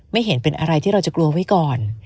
ไม่เห็นเป็นอะไรที่เราจะกลัวไว้ก่อน